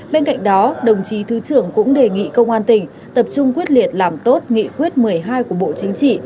bên cạnh đó đồng chí thứ trưởng cũng đề nghị công an tỉnh tập trung quyết liệt làm tốt nghị quyết một mươi hai của bộ chính trị